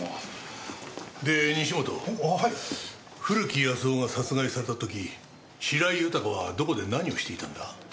古木保男が殺害された時白井豊はどこで何をしていたんだ？